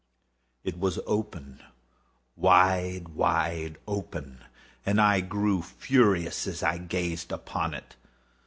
It was open—wide, wide open—and I grew furious as I gazed upon it.